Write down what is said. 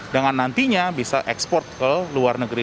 dengan nantinya bisa ekspor ke luar negeri